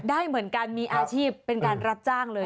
ได้เหมือนกันมีอาชีพเป็นการรับจ้างเลย